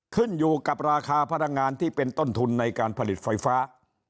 ขึ้นอยู่กับราคาพลังงานที่เป็นต้นทุนในการผลิตไฟฟ้า